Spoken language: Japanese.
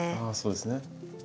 あそうですね。